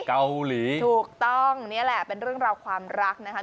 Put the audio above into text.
เกาหลีถูกต้องนี่แหละเป็นเรื่องราวความรักนะคะ